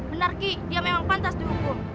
benar ki dia memang pantas dihukum